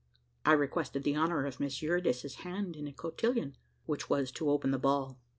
I requested the honour of Miss Eurydice's hand in a cotillon, which was to open the ball.